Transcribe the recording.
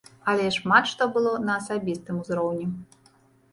Але шмат што было на асабістым узроўні.